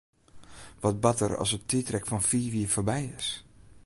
Wat bart der as it tiidrek fan fiif jier foarby is?